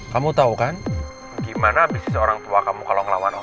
kamu tau kan gimana bisnis orang tua kamu kalau ngelawan orang